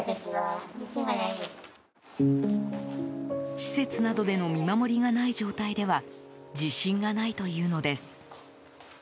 施設などでの見守りがない状態では自信がないというのです。